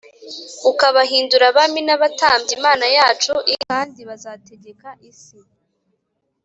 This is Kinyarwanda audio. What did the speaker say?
ukabahindura abami n abatambyi Imana yacu i kandi bazategeka isi